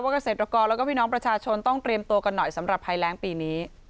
เกษตรกรแล้วก็พี่น้องประชาชนต้องเตรียมตัวกันหน่อยสำหรับภัยแรงปีนี้